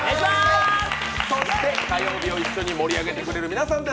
火曜日を一緒に盛り上げてくれる皆さんです。